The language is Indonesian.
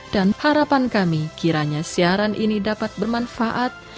dan harapan kami kiranya siaran ini dapat bermanfaat